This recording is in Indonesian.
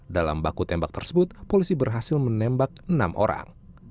dalam baku tembak tersebut polisi berhasil menembak enam orang